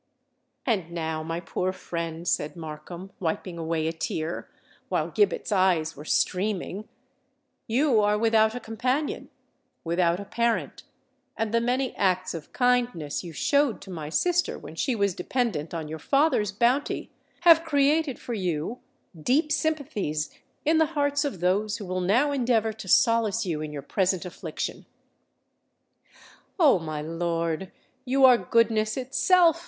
"And now, my poor friend," said Markham, wiping away a tear, while Gibbet's eyes were streaming, "you are without a companion—without a parent; and the many acts of kindness you showed to my sister when she was dependant on your father's bounty, have created for you deep sympathies in the hearts of those who will now endeavour to solace you in your present affliction." "Oh! my lord, you are goodness itself!"